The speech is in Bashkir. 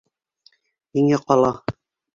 Һиңә ҡала.